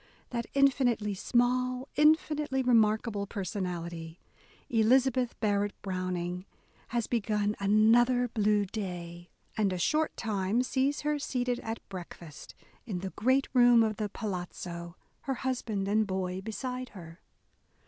That infinitely small, infinitely remarkable personality, Eliza beth Barrett Browning, has begun "another A DAY WITH E. B. BROWNING blue day," — and a short time sees her seated at breakfast, in the great room of the palazzo, her husband and boy beside her.